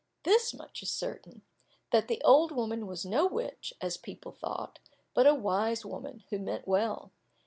This much is certain, that the old woman was no witch, as people thought, but a wise woman, who meant well.